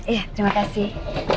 iya terima kasih